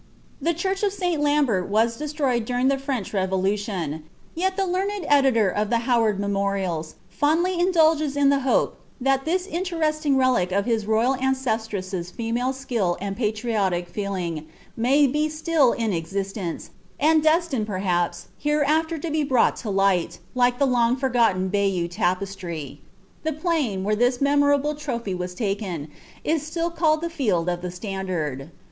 The church of St. Lambert ^^ during the French Revolution ; yet the learned editor «i' ^lemorials fondly indulges in the hope that this inieresiiriL' royal anceslress^s feminine skill and patriotic feelings may be »tiM iii ct istence, and destined, perhaps, hereafter to be brought to light, like ihe long forgotlen Bayeus tapestry. The pkin, where this memoralile inwbr was taken, is still called the Held of tlie Standard.'